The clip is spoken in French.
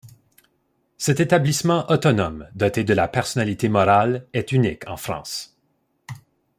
Cet établissement autonome, doté de la personnalité morale, est unique en France.